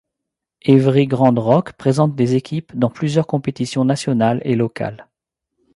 Évry Grand Roque présente des équipes dans plusieurs compétitions nationales et locales.